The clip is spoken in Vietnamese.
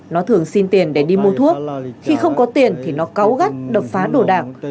nó thường xin tiền để đi mua thuốc khi không có tiền thì nó cáo gắt đập phá đồ đạc